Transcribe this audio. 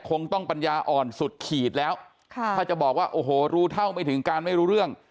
คงต้องปัญญาอ่อนสุดขีดแล้วค่ะถ้าจะบอกว่าโอ้โหรู้เท่าไม่ถึงการไม่รู้เรื่อง